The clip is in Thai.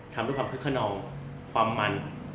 ทำด้วยความคึกขนองความมัน